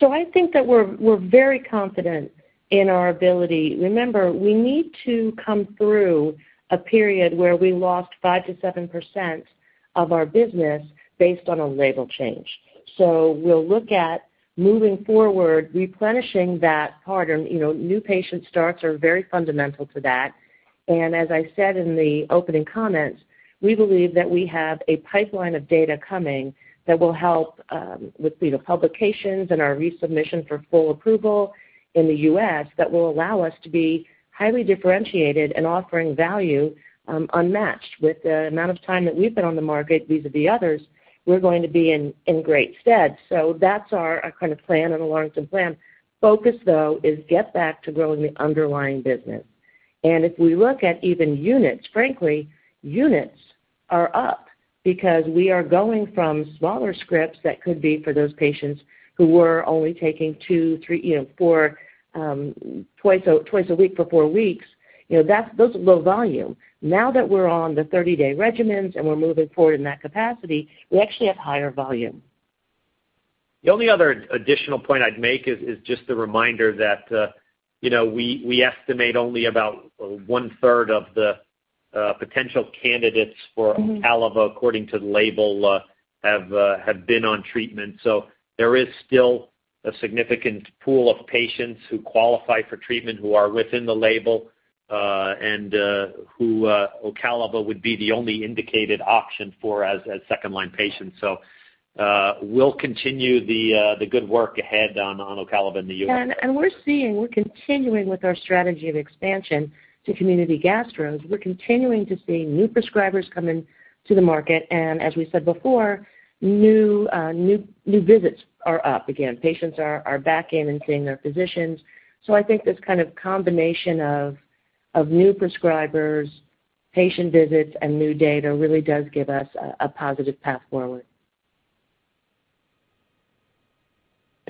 I think that we're very confident in our ability. Remember, we need to come through a period where we lost 5%-7% of our business based on a label change. We'll look at moving forward, replenishing that part. You know, new patient starts are very fundamental to that. As I said in the opening comments, we believe that we have a pipeline of data coming that will help with, you know, publications and our resubmission for full approval in the US that will allow us to be highly differentiated and offering value unmatched with the amount of time that we've been on the market vis-à-vis others. We're going to be in great stead. That's our kind of plan A and plan B. Focus, though, is get back to growing the underlying business. If we look at even units, frankly, units are up because we are going from smaller scripts that could be for those patients who were only taking two, three, you know, four twice a week for four weeks. You know, that's, those are low volume. Now that we're on the 30-day regimens and we're moving forward in that capacity, we actually have higher volume. The only other additional point I'd make is just a reminder that, you know, we estimate only about 1/3 of the potential candidates for Ocaliva, according to the label, have been on treatment. So there is still a significant pool of patients who qualify for treatment who are within the label, and who Ocaliva would be the only indicated option for as second line patients. So we'll continue the good work ahead on Ocaliva in the U.S. We're continuing with our strategy of expansion to community gastros. We're continuing to see new prescribers come into the market, and as we said before, new visits are up again. Patients are back in and seeing their physicians. I think this kind of combination of new prescribers, patient visits, and new data really does give us a positive path forward.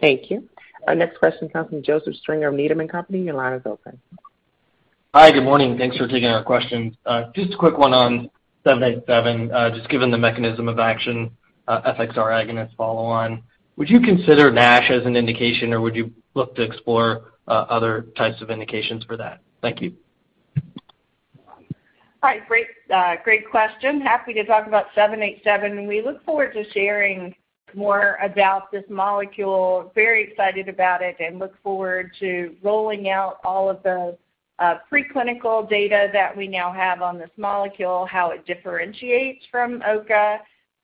Thank you. Our next question comes from Joseph Stringer of Needham & Company. Your line is open. Hi. Good morning. Thanks for taking our questions. Just a quick one on INT-787. Just given the mechanism of action, FXR agonist follow on, would you consider NASH as an indication, or would you look to explore other types of indications for that? Thank you. Hi. Great, great question. Happy to talk about INT-787. We look forward to sharing more about this molecule. Very excited about it and look forward to rolling out all of the Preclinical data that we now have on this molecule, how it differentiates from OCA,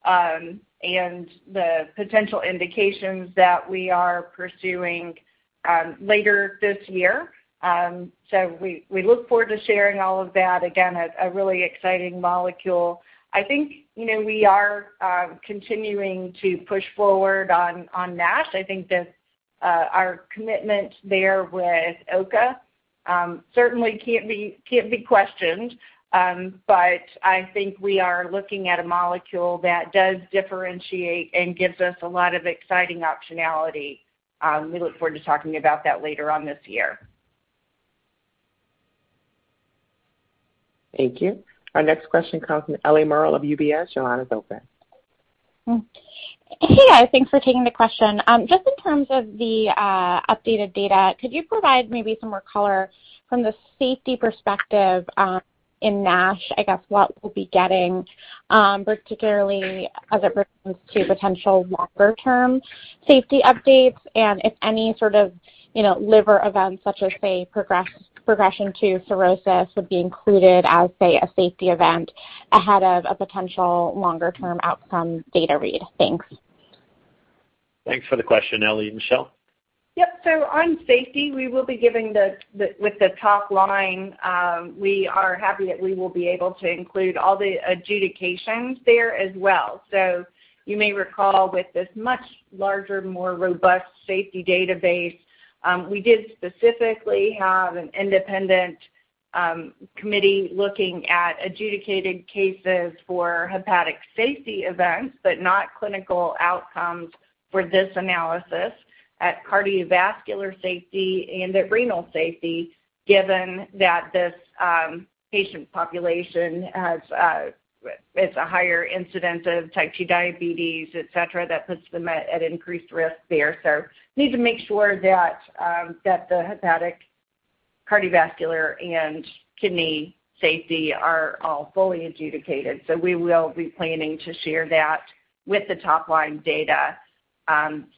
and the potential indications that we are pursuing later this year. We look forward to sharing all of that. Again, a really exciting molecule. I think, you know, we are continuing to push forward on NASH. I think that our commitment there with OCA certainly can't be questioned. I think we are looking at a molecule that does differentiate and gives us a lot of exciting optionality. We look forward to talking about that later on this year. Thank you. Our next question comes from Ellie Merle of UBS. Your line is open. Hey, guys, thanks for taking the question. Just in terms of the updated data, could you provide maybe some more color from the safety perspective in NASH? I guess what we'll be getting, particularly as it relates to potential longer-term safety updates and if any sort of, you know, liver events such as, say, progression to cirrhosis would be included as, say, a safety event ahead of a potential longer-term outcome data read. Thanks. Thanks for the question, Ellie. Michelle? Yep. On safety, we are happy that we will be able to include all the adjudications there as well. You may recall with this much larger, more robust safety database, we did specifically have an independent committee looking at adjudicated cases for hepatic safety events, but not clinical outcomes for this analysis at cardiovascular safety and at renal safety, given that this patient population has, it's a higher incidence of type 2 diabetes, et cetera, that puts them at increased risk there. Need to make sure that the hepatic, cardiovascular, and kidney safety are all fully adjudicated. We will be planning to share that with the top line data.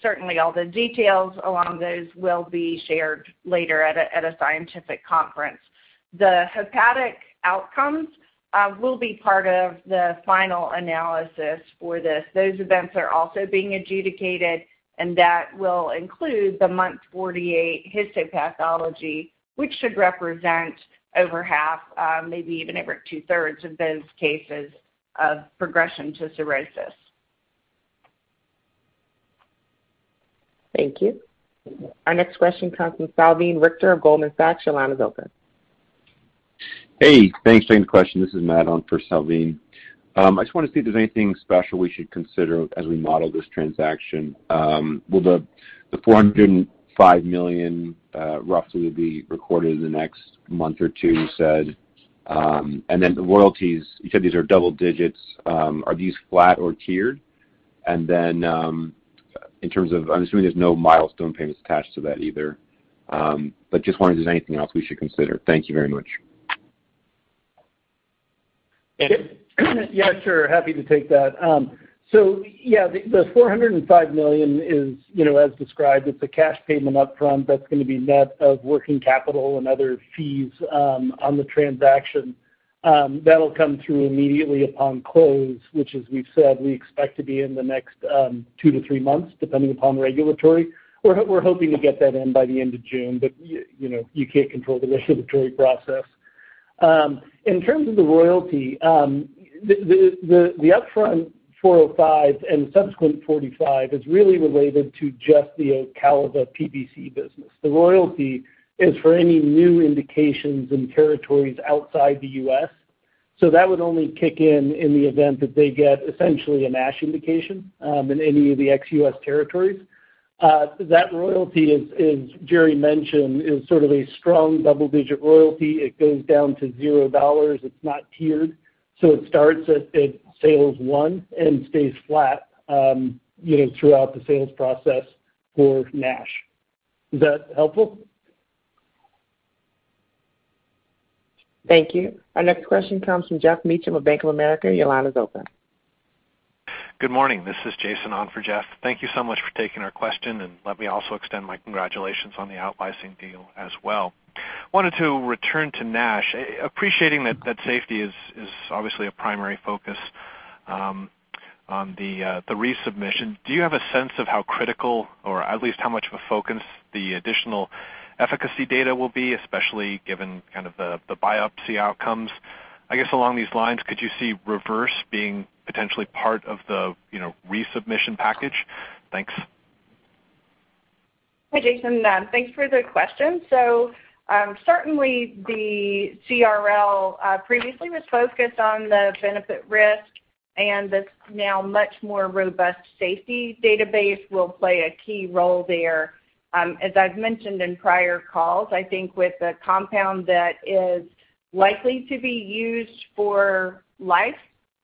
Certainly all the details along those will be shared later at a scientific conference. The hepatic outcomes will be part of the final analysis for this. Those events are also being adjudicated, and that will include the month 48 histopathology, which should represent over half, maybe even over two-thirds of those cases of progression to cirrhosis. Thank you. Our next question comes from Salveen Richter of Goldman Sachs. Your line is open. Hey, thanks for taking the question. This is Matt on for Salveen. I just wanna see if there's anything special we should consider as we model this transaction. Will the $405 million, roughly, be recorded in the next month or two, you said? And then the royalties, you said these are double digits. Are these flat or tiered? And then, in terms of, I'm assuming there's no milestone payments attached to that either. But just wondering if there's anything else we should consider. Thank you very much. Yeah, sure. Happy to take that. Yeah, the $405 million is, you know, as described, it's a cash payment upfront that's gonna be net of working capital and other fees on the transaction. That'll come through immediately upon close, which as we've said, we expect to be in the next two to three months, depending upon regulatory. We're hoping to get that in by the end of June, but you know, you can't control the regulatory process. In terms of the royalty, the upfront $405 million and subsequent $45 million is really related to just the Ocaliva PBC business. The royalty is for any new indications in territories outside the U.S. that would only kick in in the event that they get essentially a NASH indication in any of the ex-US territories. That royalty, as Jerry mentioned, is sort of a strong double-digit royalty. It goes down to $0. It's not tiered. It starts at sales one and stays flat, you know, throughout the sales process for NASH. Is that helpful? Thank you. Our next question comes from Geoff Meacham of Bank of America. Your line is open. Good morning. This is Jason on for Geoff. Thank you so much for taking our question, and let me also extend my congratulations on the out licensing deal as well. Wanted to return to NASH. Appreciating that safety is obviously a primary focus on the resubmission, do you have a sense of how critical or at least how much of a focus the additional efficacy data will be, especially given kind of the biopsy outcomes? I guess along these lines, could you see REVERSE being potentially part of the resubmission package? Thanks. Hi, Jason. Thanks for the question. Certainly the CRL previously was focused on the benefit risk, and this now much more robust safety database will play a key role there. As I've mentioned in prior calls, I think with a compound that is likely to be used for life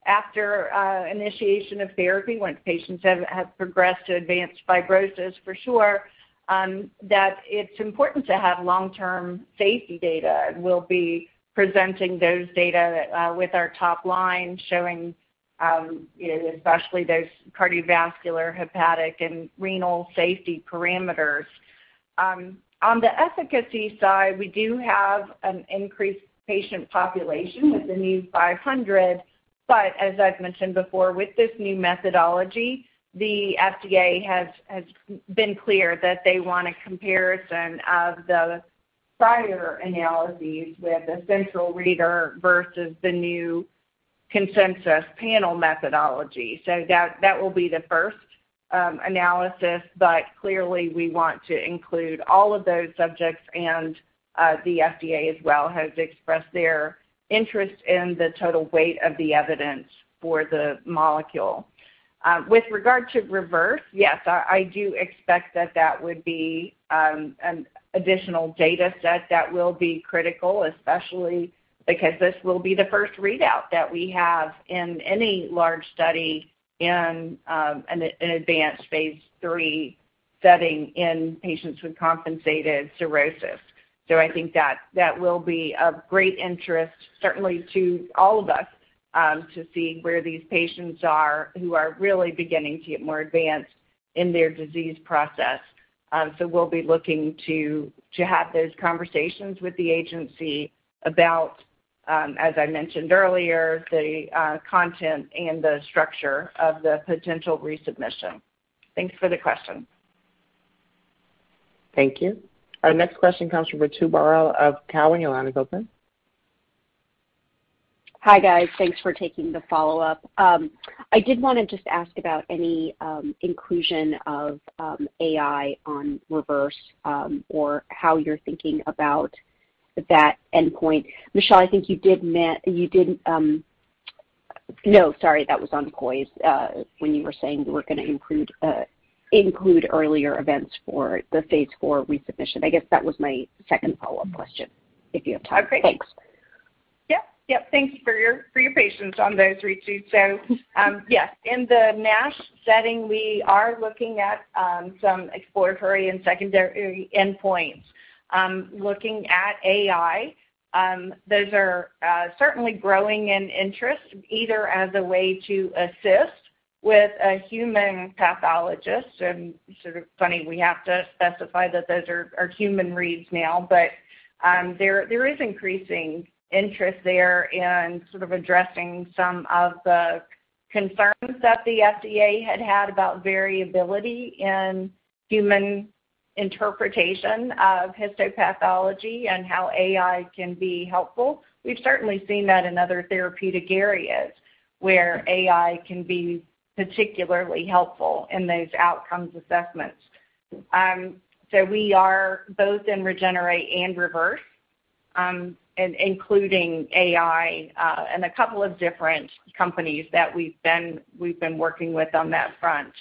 after initiation of therapy, once patients have progressed to advanced fibrosis, for sure that it's important to have long-term safety data. We'll be presenting those data with our top line, showing especially those cardiovascular, hepatic, and renal safety parameters. On the efficacy side, we do have an increased patient population with the new 500. As I've mentioned before, with this new methodology, the FDA has been clear that they want a comparison of the prior analyses with the central reader versus the new consensus panel methodology. That will be the first analysis. Clearly, we want to include all of those subjects, and the FDA as well has expressed their interest in the total weight of the evidence for the molecule. With regard to REVERSE, yes, I do expect that would be an additional data set that will be critical, especially because this will be the first readout that we have in any large study in an advanced phase III setting iN patients with compensated cirrhosis. I think that will be of great interest, certainly to all of us, to see where these patients are who are really beginning to get more advanced in their disease process. We'll be looking to have those conversations with the agency about, as I mentioned earlier, the content and the structure of the potential resubmission. Thanks for the question. Thank you. Our next question comes from Ritu Baral of Cowen. Your line is open. Hi, guys. Thanks for taking the follow-up. I did wanna just ask about any inclusion of AI on REVERSE, or how you're thinking about that endpoint. Michelle, I think you did. No, sorry, that was on COBALT, when you were saying you were gonna include earlier events for the phase IV resubmission. I guess that was my second follow-up question, if you have time. Thanks. Okay. Yep. Thank you for your patience on those, Ritu. Yes, in the NASH setting, we are looking at some exploratory and secondary endpoints. Looking at AI, those are certainly growing in interest, either as a way to assist with a human pathologist, and sort of funny we have to specify that those are human reads now. But there is increasing interest there in sort of addressing some of the concerns that the FDA had had about variability in human interpretation of histopathology and how AI can be helpful. We've certainly seen that in other therapeutic areas where AI can be particularly helpful in those outcomes assessments. We are both in REGENERATE and REVERSE, including AI, and a couple of different companies that we've been working with on that front.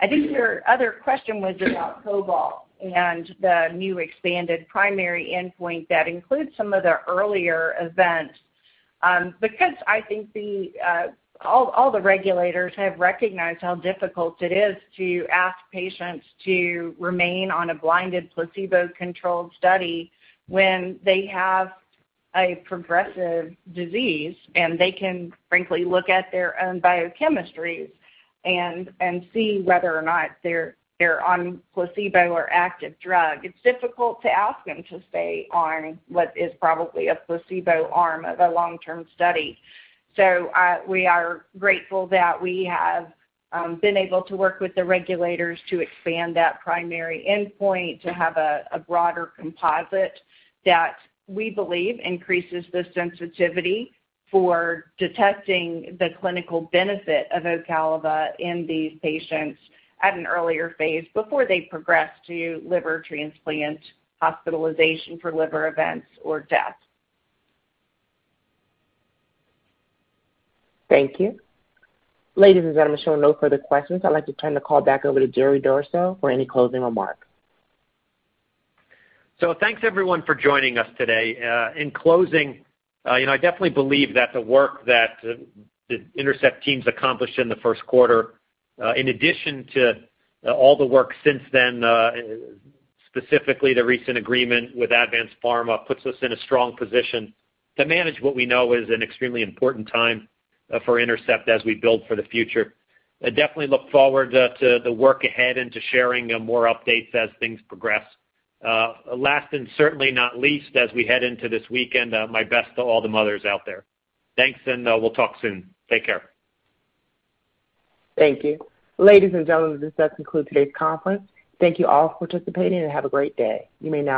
I think your other question was about COBALT and the new expanded primary endpoint that includes some of the earlier events. Because I think all the regulators have recognized how difficult it is to ask patients to remain on a blinded placebo-controlled study when they have a progressive disease, and they can frankly look at their own biochemistry and see whether or not they're on placebo or active drug. It's difficult to ask them to stay on what is probably a placebo arm of a long-term study. We are grateful that we have been able to work with the regulators to expand that primary endpoint to have a broader composite that we believe increases the sensitivity for detecting the clinical benefit of Ocaliva in these patients at an earlier phase before they progress to liver transplant, hospitalization for liver events, or death. Thank you. Ladies and gentlemen, seeing no further questions. I'd like to turn the call back over to Jerry Durso for any closing remarks. Thanks everyone for joining us today. In closing, you know, I definitely believe that the work that the Intercept teams accomplished in the first quarter, in addition to all the work since then, specifically the recent agreement with ADVANZ PHARMA, puts us in a strong position to manage what we know is an extremely important time for Intercept as we build for the future. I definitely look forward to the work ahead and to sharing more updates as things progress. Last and certainly not least, as we head into this weekend, my best to all the mothers out there. Thanks, and we'll talk soon. Take care. Thank you. Ladies and gentlemen, this does conclude today's conference. Thank you all for participating, and have a great day. You may now disconnect.